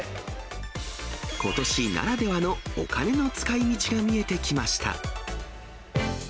ことしならではのお金の使いみちが見えてきました。